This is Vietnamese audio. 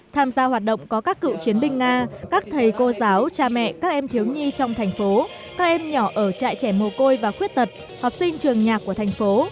tham gia hoạt động có các cựu chiến binh nga các thầy cô giáo cha mẹ các em thiếu nhi trong thành phố các em nhỏ ở trại trẻ mồ côi và khuyết tật học sinh trường nhạc của thành phố